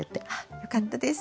よかったです。